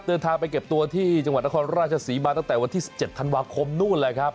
เดินทางไปเก็บตัวที่จังหวัดนครราชศรีมาตั้งแต่วันที่๑๗ธันวาคมนู่นแหละครับ